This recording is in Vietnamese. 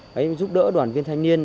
đấy giúp đỡ đoàn viên thanh niên